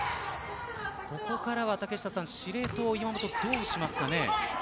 ここからは司令塔岩本、どうしますかね。